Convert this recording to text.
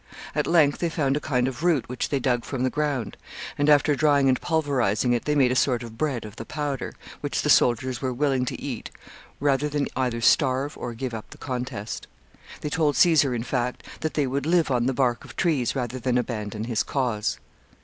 At length they found a kind of root which they dug from the ground, and, after drying and pulverizing it, they made a sort of bread of the powder, which the soldiers were willing to eat rather than either starve or give up the contest. They told Caesar, in fact, that they would live on the bark of trees rather than abandon his cause.